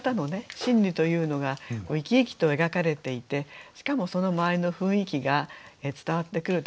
心理というのが生き生きと描かれていてしかもその周りの雰囲気が伝わってくるところがとてもいいと思いました。